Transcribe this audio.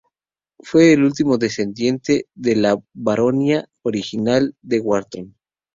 Fue el último descendiente de la baronía original de Wharton.